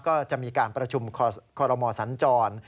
ก็จะมีการประชุมคอลโลมอล์สันจร